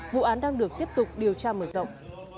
vụ án đang được tiếp tục điều tra mở rộng